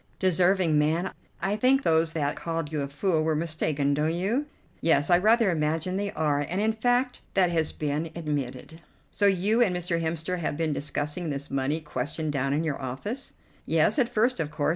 "Deserving man! I think those that called you a fool were mistaken, don't you?" "Yes, I rather imagine they are, and in fact that has been admitted." "So you and Mr. Hemster have been discussing this money question down in your office?" "Yes, at first, of course.